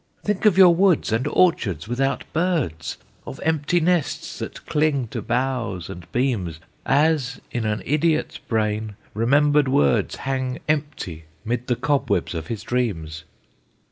"Think of your woods and orchards without birds! Of empty nests that cling to boughs and beams As in an idiot's brain remembered words Hang empty 'mid the cobwebs of his dreams!